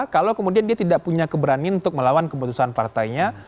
kalau kemudian dia tidak punya keberanian untuk melawan keputusan partainya